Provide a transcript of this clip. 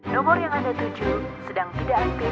nomor yang ada tujuh sedang tidak aktif